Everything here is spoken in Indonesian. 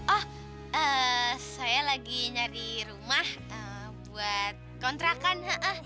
oh saya lagi nyari rumah buat kontrakan